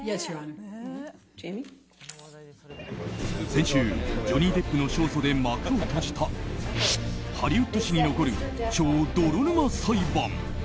先週、ジョニー・デップの勝訴で幕を閉じたハリウッド史に残る超泥沼裁判。